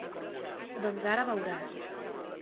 Doncs ara veuràs.